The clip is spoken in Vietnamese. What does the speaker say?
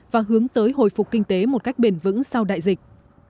và hướng tới hồi phục kinh tế một cách bền vững sau đại dịch